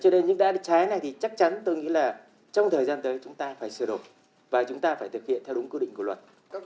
cho nên những đã trái này thì chắc chắn tôi nghĩ là trong thời gian tới chúng ta phải sửa đổi và chúng ta phải thực hiện theo đúng quy định của luật